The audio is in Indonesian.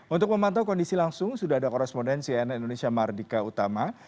untuk memantau kondisi langsung sudah ada korespondensi nn indonesia mardika utama